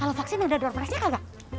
kalau vaksin udah door price nya kagak